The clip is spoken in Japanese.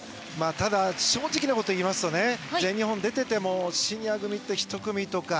ただ、正直なことを言いますとね、全日本見ててもシニア組って１組とか。